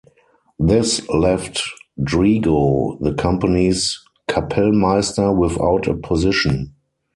This left Drigo, the company's kapellmeister, without a position.